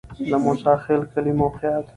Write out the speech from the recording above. د موسی خیل کلی موقعیت